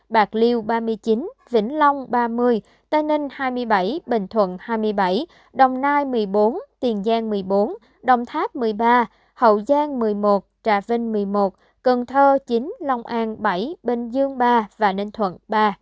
bạc liêu ba mươi chín vĩnh long ba mươi tây ninh hai mươi bảy bình thuận hai mươi bảy đồng nai một mươi bốn tiền giang một mươi bốn đồng tháp một mươi ba hậu giang một mươi một trà vinh một mươi một cần thơ chín long an bảy bình dương ba và ninh thuận ba